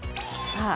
さあ。